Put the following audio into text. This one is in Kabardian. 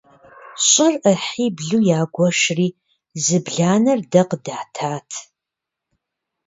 ЩӀыр Ӏыхьиблу ягуэшри, зы бланэр дэ къыдатат.